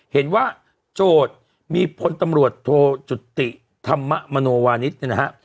โจทย์มีพลตำรวจโทจุติธรรมมโนวานิสเนี่ยนะฮะ